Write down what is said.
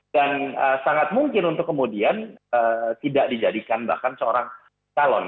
dan sangat mungkin untuk kemudian tidak dijadikan bahkan seorang calon